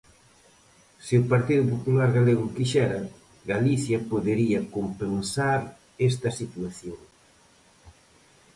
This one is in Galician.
Se o Partido Popular galego quixera, Galicia podería compensar esta situación.